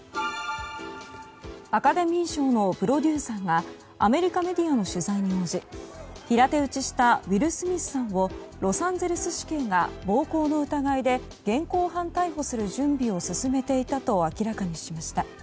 アカデミー賞のプロデューサーがアメリカメディアの取材に応じ平手打ちしたウィル・スミスさんをロサンゼルス市警が暴行の疑いで現行犯逮捕する準備を進めていたと明らかにしました。